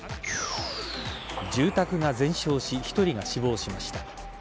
住宅が全焼し１人が死亡しました。